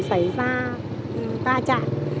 xảy ra ta chạy